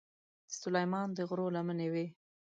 د سلیمان د غرو لمنې وې.